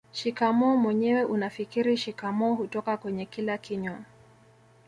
Shikamoo mwenyewe unafikiri shikamoo hutoka kwenye kila kinywa